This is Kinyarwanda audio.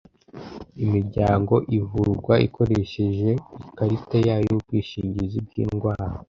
Imiryango ivurwa ikoresheje ikarita yayo y’ubwishingizi bw’ indwara